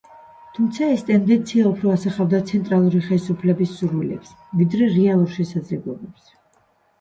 თუმცა ეს ტენდენცია უფრო ასახავდა ცენტრალური ხელისუფლების სურვილებს, ვიდრე რეალურ შესაძლებლობებს.